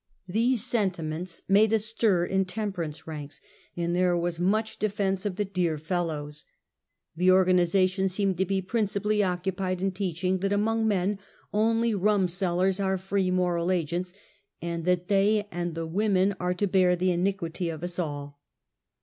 These sentiments made a stir in temperance ranks, and there was much defense of the dear fellows. The organization seemed to be principally occupied in teaching, that among men, only rumsellers are free moral agents, and that they and the women are to bear the iniquity of us all.